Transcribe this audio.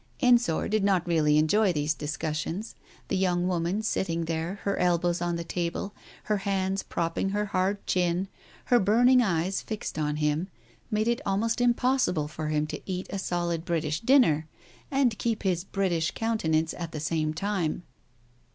Ensor did not really enjoy these discussions, the young woman, sitting there, her elbows on the table, her hands propping her hard chin, her burning eyes fixed on him made it almost impossible for him to eat a solid British dinner, and keep his British countenance at the same time.